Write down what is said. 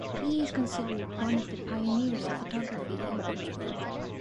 He is considered one of the pioneers of photography in Portugal.